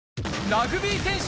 ラグビー選手。